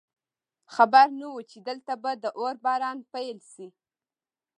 خبر نه وو چې دلته به د اور باران پیل شي